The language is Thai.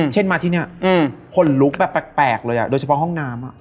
เช่นมาที่นี่ขนลุกแบบแปลกเลยโดยเฉพาะห้องน้ำ